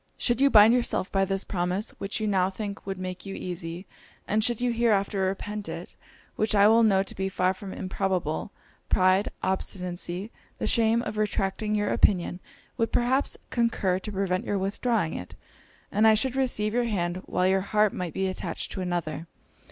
Should you bind yourself by this promise, which you now think would make you easy, and should you hereafter repent it, which I know to be far from improbable, pride, obstinacy, the shame of retracting your opinion, would perhaps concur to prevent your withdrawing it; and I should receive your hand while your heart might be attached to another.